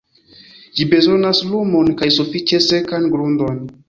Ĝi bezonas lumon kaj sufiĉe sekan grundon.